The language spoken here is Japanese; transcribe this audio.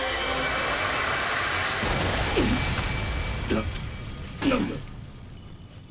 な何だ？